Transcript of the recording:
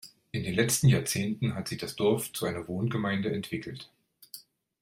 In den letzten Jahrzehnten hat sich das Dorf zu einer Wohngemeinde entwickelt.